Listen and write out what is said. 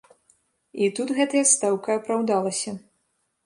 І тут гэтая стаўка апраўдалася.